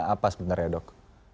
apa sebenarnya dok